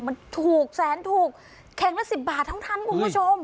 มันถูกแสนถูกแข็งละสิบบาททั้งทั้งคุณผู้ชม